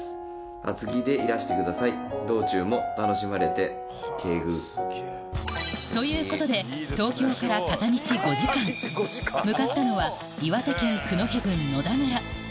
厚着でいらして下さい道中も楽しまれて敬具」。ということで向かったのは岩手県九戸郡野田村